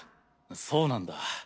そうなんだ。